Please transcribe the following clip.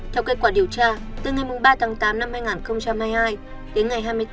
theo kết quả điều tra từ ngày ba tám hai nghìn hai mươi hai đến ngày hai mươi tám chín hai nghìn hai mươi hai